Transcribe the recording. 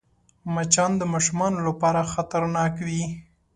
مچان د ماشومانو لپاره خطرناک وي